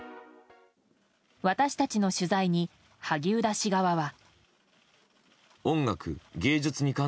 私たちの取材に萩生田氏側は。